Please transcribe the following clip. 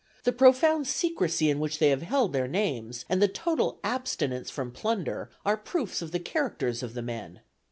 The profound secrecy in which they have held their names, and the total abstinence from plunder, are proofs of the characters of the men.